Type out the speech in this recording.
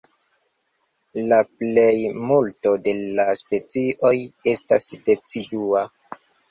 La plejmulto de la specioj estas decidua.